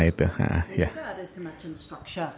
itu ada semacam struktur